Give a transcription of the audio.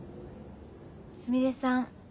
すみれさん